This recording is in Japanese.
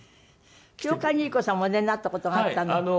清川虹子さんもお出になった事があったの？